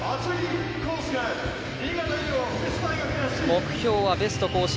目標はベスト更新。